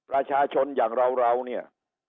ราชาชนยังราวเนี่ย